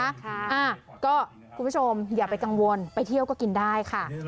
อ่าก็คุณผู้ชมอย่าไปกังวลไปเที่ยวก็กินได้ค่ะ